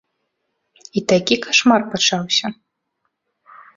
І такі кашмар пачаўся.